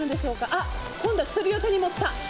あっ、今度は薬を手に持った。